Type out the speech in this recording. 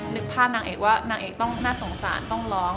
นึกภาพนางเอกว่านางเอกต้องน่าสงสารต้องร้อง